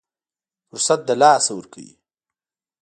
فرصت له لاسه ورکوي.